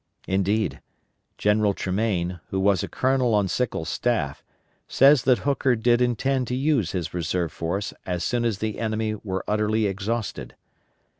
Indeed, General Tremaine, who was a colonel on Sickles' staff, says that Hooker did intend to use his reserve force as soon as the enemy were utterly exhausted.